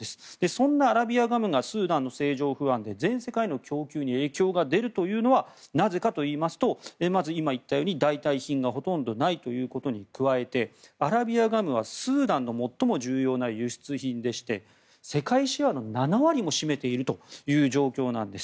そんなアラビアガムがスーダンの政情不安で全世界の供給に影響が出るというのはなぜかといいますとまず、今言ったように代替品がほとんどないということに加えてアラビアガムは、スーダンの最も重要な輸出品でして世界シェアの７割も占めているという状況なんです。